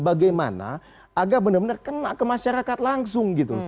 bagaimana agar benar benar kena ke masyarakat langsung gitu